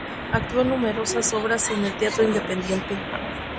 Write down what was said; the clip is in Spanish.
Actuó en numerosas obras en el Teatro Independiente.